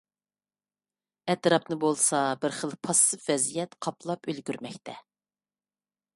ئەتراپنى بولسا بىرخىل پاسسىپ ۋەزىيەت قاپلاپ ئۈلگۈرمەكتە.